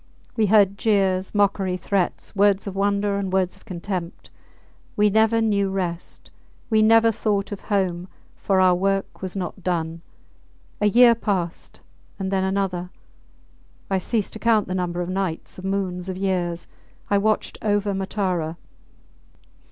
We heard jeers, mockery, threats words of wonder and words of contempt. We never knew rest; we never thought of home, for our work was not done. A year passed, then another. I ceased to count the number of nights, of moons, of years. I watched over Matara.